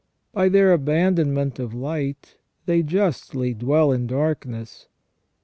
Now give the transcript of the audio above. By their abandonment of light, they justly dwell in dark ness.